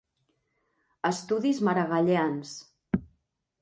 Estudis maragallians.